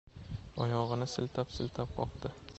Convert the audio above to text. Oyog‘ini siltab-siltab qoqdi.